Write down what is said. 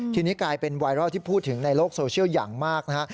ทีนี้กลายเป็นไวรัลที่พูดถึงในโลกโซเชียลอย่างมากนะฮะ